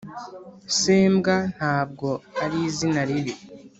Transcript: sembwa ntabwo ari izina ribi